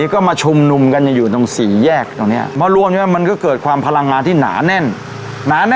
ก็มาชุมนุมกันอยู่ตรงสี่แยกตรงเนี้ยเพราะรวมอย่างนี้มันก็เกิดความพลังงานที่หนาแน่น